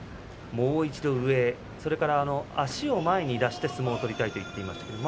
もう一度上へそして足を前に出して相撲を取りたいと話していました。